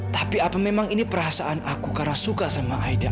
tapi apa memang ini perasaan aku karena suka sama aida